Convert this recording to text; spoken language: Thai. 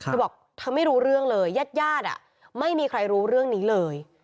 เธอบอกเธอไม่รู้เรื่องเลยญาติญาติไม่มีใครรู้เรื่องนี้เลย